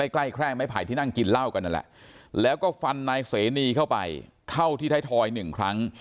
ใกล้แคร่ไม้ไผ่ที่นั่งกินเหล้ากันนั่นแหละแล้วก็ฟันนายเสนีเข้าไปเข้าที่ไทยทอยหนึ่งครั้ง